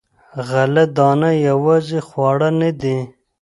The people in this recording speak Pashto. غله دانه یوازې خواړه نه دي.